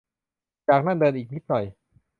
จากนั่นเดินอีกนิดหน่อย